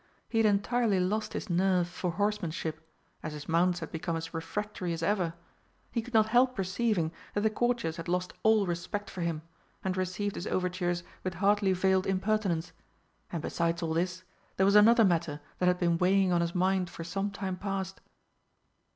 He had entirely lost his nerve for horsemanship, as his mounts had become as refractory as ever; he could not help perceiving that the courtiers had lost all respect for him, and received his overtures with hardly veiled impertinence; and, besides all this, there was another matter that had been weighing on his mind for some time past.